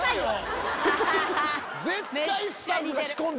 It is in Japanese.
絶対。